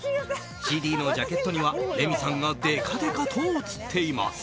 ＣＤのジャケットにはレミさんがでかでかと写っています。